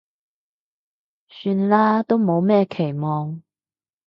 算啦，都冇咩期望